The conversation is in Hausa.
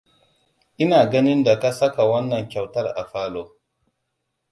Ina ganin da ka saka wannan kyautar a falo.